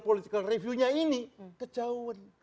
political review nya ini kejauhan